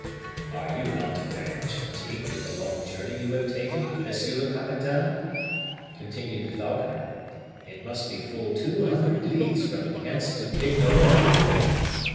"Are you not very much fatigued with the long journey you have taken, monsieur le capitaine?" continued the falconer. "It must be full two hundred leagues from hence to Pignerol."